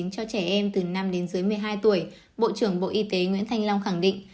cho trẻ em từ năm đến dưới một mươi hai tuổi bộ trưởng bộ y tế nguyễn thanh long khẳng định